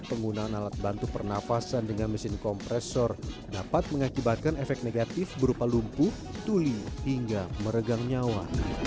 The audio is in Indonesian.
penggunaan alat bantu pernafasan dengan mesin kompresor dapat mengakibatkan efek negatif berupa lumpuh tuli hingga meregang nyawa